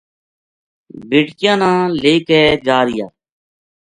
بیٹکیاں نا لے کے جا رہیا